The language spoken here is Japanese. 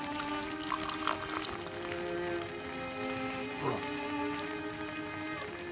ほら。